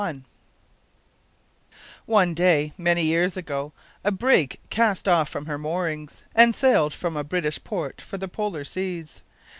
One day, many years ago, a brig cast off from her moorings, and sailed from a British port for the Polar Seas.